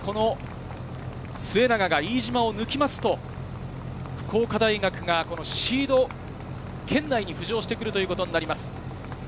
末永が飯島を抜きますと、福岡大学がシード圏内に浮上してくるということになります。